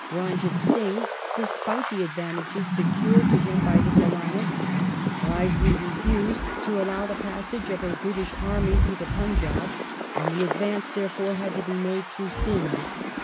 Ranjit Singh, despite the advantages secured to him by this alliance, wisely re fused to allow the passage of a British army through the Punjab, and the advance, therefore, had to be made through Sind.